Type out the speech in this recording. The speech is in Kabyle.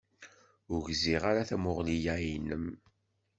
Ur gziɣ ara tamuɣli-ya-inem.